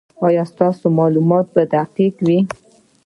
ایا ستاسو معلومات به دقیق وي؟